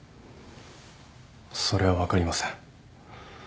それは分かりません。